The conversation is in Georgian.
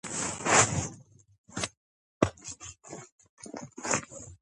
ამ უკანასკნელს კიწი სოხუმშიც შეხვდა.